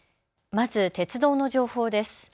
まず鉄道の情報です。